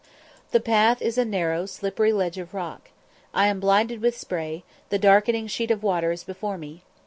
The path is a narrow, slippery ledge of rock. I am blinded with spray, the darkening sheet of water is before me.